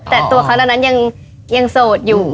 แต่ตัวเขาเหล่านั้นยังโสดอยู่